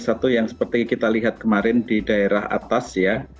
satu yang seperti kita lihat kemarin di daerah atas ya